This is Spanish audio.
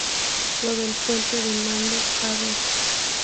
lo del puente de mando. a ver...